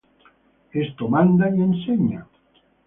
Esto manda y enseña.